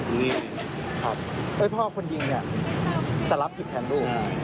พี่อุ๋ยพ่อจะบอกว่าพ่อจะรับผิดแทนลูก